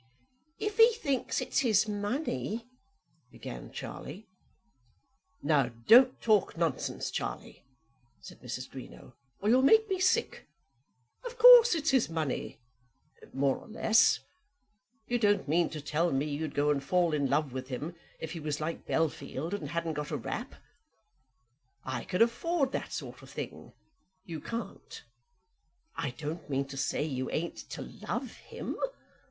"If he thinks it's his money " began Charlie. "Now, don't talk nonsense, Charlie," said Mrs. Greenow, "or you'll make me sick. Of course it's his money, more or less. You don't mean to tell me you'd go and fall in love with him if he was like Bellfield, and hadn't got a rap? I can afford that sort of thing; you can't. I don't mean to say you ain't to love him.